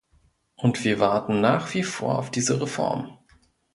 Und wir warten nach wie vor auf diese Reform.